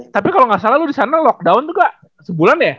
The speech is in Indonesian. tapi kalo gak salah lu disana lockdown tuh gak sebulan ya